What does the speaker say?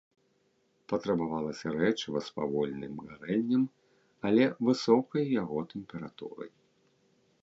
Патрабавалася рэчыва з павольным гарэннем, але высокай яго тэмпературай.